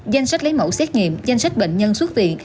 danh sách lấy mẫu xét nghiệm danh sách bệnh nhân xuất viện